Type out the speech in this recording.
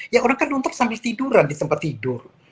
ya orang kan nuntur sampai tiduran di tempat tidur